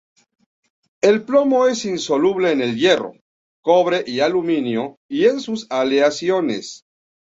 El plomo es insoluble en el hierro, cobre y aluminio y en sus aleaciones.